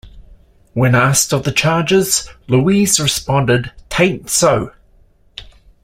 When asked of the charges, Louise responded: "T'ain't so".